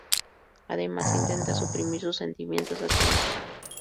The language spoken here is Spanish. Además, intenta suprimir sus sentimientos hacia Marc.